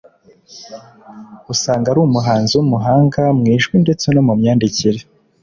usanga ari umuhanzi w'umuhanga mu ijwi ndetse no mu myandikire